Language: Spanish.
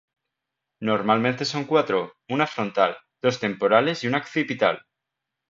Normalmente son cuatro: una frontal, dos temporales y una occipital.